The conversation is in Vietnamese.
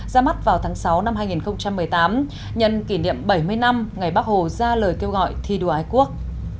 ra mắt vào tháng sáu năm hai nghìn một mươi tám nhân kỷ niệm bảy mươi năm ngày bắc hồ ra lời kêu gọi thi đua ái quốc